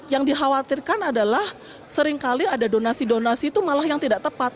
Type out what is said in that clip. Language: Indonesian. yang dikhawatirkan adalah seringkali ada donasi donasi itu malah yang tidak tepat